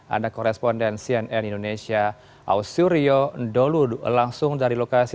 anda korespondensi nn indonesia ausu rio ndolu langsung dari lokasi